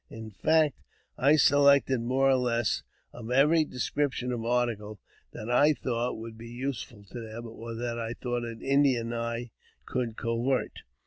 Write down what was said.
In fact, I selected more or less of every description of article that I thought would be useful to them, or that I thought an Indian eye could covet.